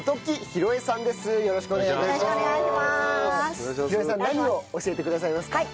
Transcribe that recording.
浩恵さん何を教えてくださいますか？